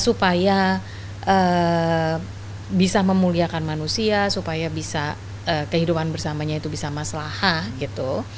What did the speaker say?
supaya bisa memuliakan manusia supaya bisa kehidupan bersamanya itu bisa maslahah gitu